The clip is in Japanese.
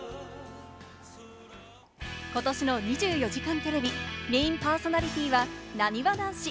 ことしの『２４時間テレビ』のメインパーソナリティーはなにわ男子。